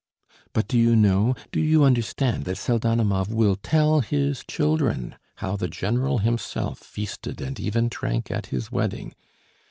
"But do you know, do you understand, that Pseldonimov will tell his children how the General himself feasted and even drank at his wedding!